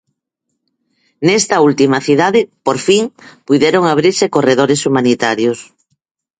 Nesta última cidade, por fin, puideron abrirse corredores humanitarios.